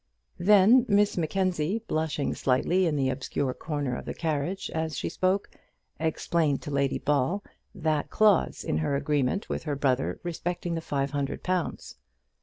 Then Miss Mackenzie, blushing slightly in the obscure corner of the carriage as she spoke, explained to Lady Ball that clause in her agreement with her brother respecting the five hundred pounds.